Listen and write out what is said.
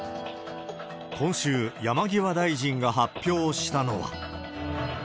今週、山際大臣が発表したのは。